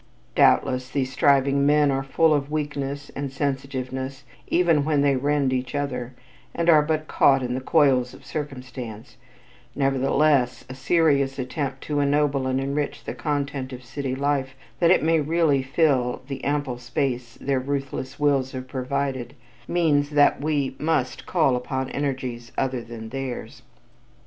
Doubtless these striving men are full of weakness and sensitiveness even when they rend each other, and are but caught in the coils of circumstance; nevertheless, a serious attempt to ennoble and enrich the content of city life that it may really fill the ample space their ruthless wills have provided, means that we must call upon energies other than theirs.